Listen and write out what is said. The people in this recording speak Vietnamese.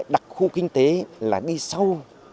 đặc khu kinh tế là đi sâu